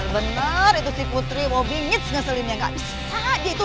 bener itu si putri mau bingit sengaselinnya gak bisa aja